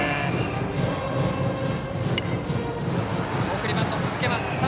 送りバントを続けます。